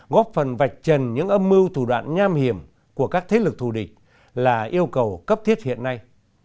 góp phần vạch trần những âm mưu thủ đoạn nham hiểm của các thế lực thù địch là yêu cầu cấp thiết hiện nay